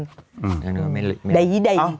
ขึ้นทีละ๖บาทไม่ได้